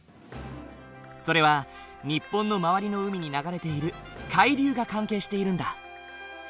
それは日本の周りの海に流れている海流が関係しているんだ。